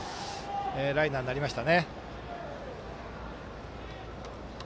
ライナーになりましたね。